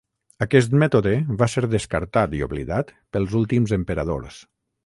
Aquest mètode va ser descartat i oblidat pels últims emperadors.